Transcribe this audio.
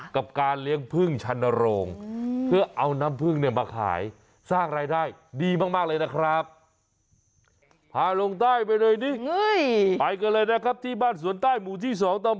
นายธิรวัตรอรุณคนทะนั้นเขาเรียกกันว่า